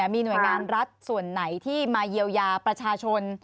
มีหน่วยงานรัฐส่วนไหนที่มาเยียวยาประชาชน